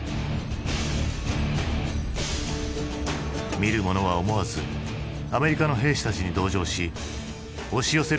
見る者は思わずアメリカの兵士たちに同情し押し寄せる